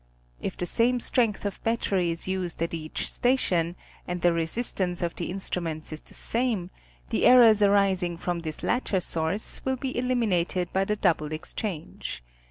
If the same strength of battery is used at each station, and the resistance of the instruments is the same, the errors aris ing from this latter source will be eliminated by the double exchange.